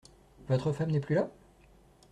Votre femme n’est plus là ?